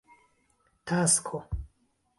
tasko